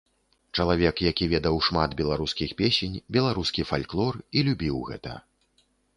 Чалавек, які ведаў шмат беларускіх песень, беларускі фальклор і любіў гэта.